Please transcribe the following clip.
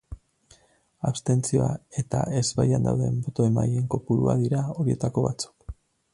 Abstentzioa eta ezbaian dauden boto-emaileen kopurua dira horietako batzuk.